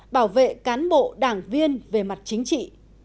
bảo vệ cán bộ đảng viên về mặt chính trị